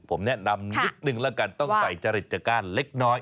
ผมแนะนำนิดนึงแล้วกันต้องใส่จริตจากการเล็กน้อย